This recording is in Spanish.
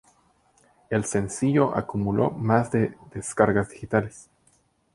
El sencillo acumuló más de descargas digitales.